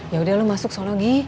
yaudah lu masuk sana gi